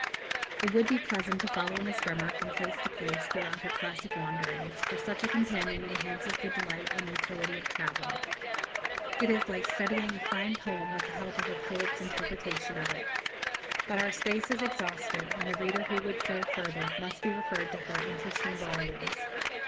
It would be pleasant to follow Miss Bremer from place to place throughout her classic wanderings, for such a companion enhances the delight and utility of travel; it is like studying a fine poem with the help of a poet's interpretation of it. But our space is exhausted, and the reader who would go further must be referred to her interesting volumes.